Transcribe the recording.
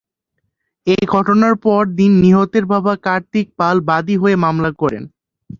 এ ঘটনার পর দিন নিহতের বাবা কার্তিক পাল বাদী হয়ে মামলা করেন।